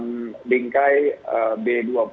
adalah yang bingkai b dua puluh